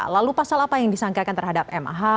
lalu pasal apa yang disangkakan terhadap mah